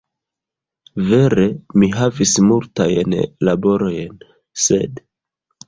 Vere, mi havis multajn laborojn, sed